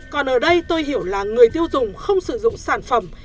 còn ở đây tôi hiểu là người tiêu dùng không sử dụng sản phẩm